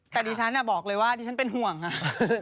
แต่ดิฉันบอกเลยว่าดิฉันเป็นห่วงอะ